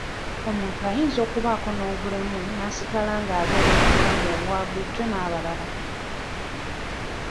Omuntu ayinza okubaako n'obulemu n'asigala ng'abeera mu bulamu obwa bulijjo ng'abalala.